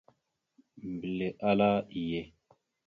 Mbelle ahala: « Iye ».